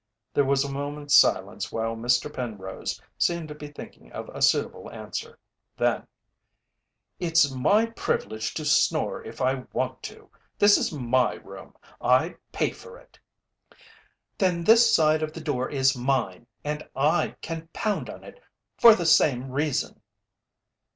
There was a moment's silence while Mr. Penrose seemed to be thinking of a suitable answer. Then: "It's my privilege to snore if I want to. This is my room I pay for it!" "Then this side of the door is mine and I can pound on it, for the same reason."